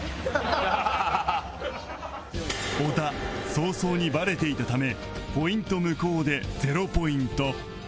小田早々にバレていたためポイント無効で０ポイント